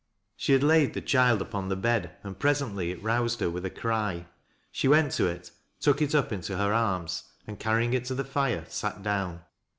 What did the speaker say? She had laid the child upon the bed, and presently it roused her with a cry. She went to it, took it up into her arras, and, carrying it to the fire, sat down.